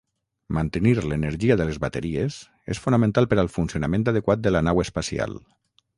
Mantenir l'energia de les bateries és fonamental per al funcionament adequat de la nau espacial.